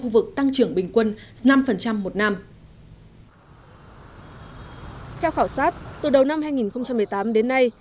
tăng trưởng bình quân năm một năm theo khảo sát từ đầu năm hai nghìn một mươi tám đến nay